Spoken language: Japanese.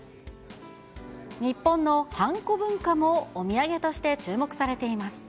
日本のはんこ文化も、お土産として注目されています。